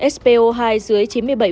spo hai dưới chín mươi bảy